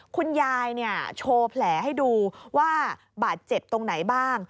คุณยายโชว์แผลให้ดูว่าบาดเจ็บตรงไหนบ้าง